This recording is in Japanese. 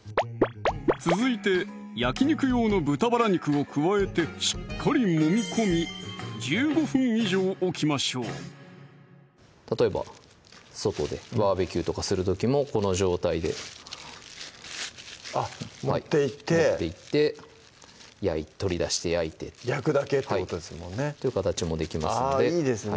続いて焼肉用の豚バラ肉を加えてしっかりもみ込み１５分以上置きましょう例えば外でバーベキューとかする時もこの状態であっ持っていって持っていって取り出して焼いて焼くだけってことですもんねという形もできますのでいいですね